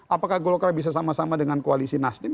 apakah golkar bisa bersama sama dengan koalisi nasdim